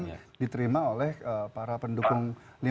yang dikirim oleh para pendukung